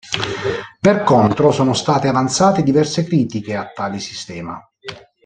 Per contro, sono state avanzate diverse critiche a tale sistema.